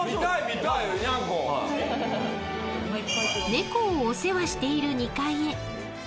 ［猫をお世話している２階へ］